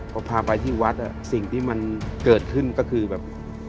พอพาไปที่วัดสิ่งที่มันเกิดขึ้นก็คือแบบ